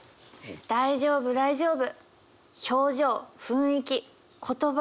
大丈夫大丈夫。